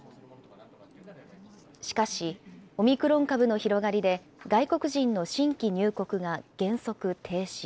しかし、オミクロン株の広がりで、外国人の新規入国が原則停止。